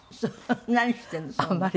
何してるの？